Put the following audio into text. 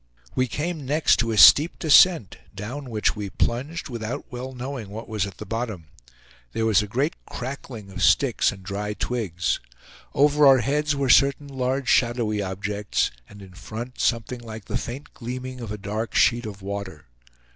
We came next to a steep descent down which we plunged without well knowing what was at the bottom. There was a great crackling of sticks and dry twigs. Over our heads were certain large shadowy objects, and in front something like the faint gleaming of a dark sheet of water.